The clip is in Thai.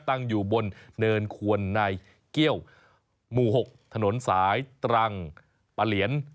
ตั้งอยู่บนเนินควนในเกี้ยวหมู่๖ถนนสายตรังปะเหลียน